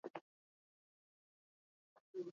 Sababu ya ukweli huu ni kwamba misa ya